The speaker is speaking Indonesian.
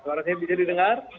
suara saya bisa didengar